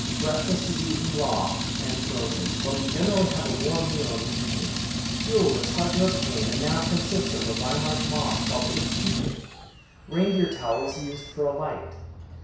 Breakfast is eaten raw and frozen, but we generally have a warm meal in the evening. Fuel is hard to obtain and now consists of a vine like moss called ik shoot ik. Reindeer tallow is used for a light.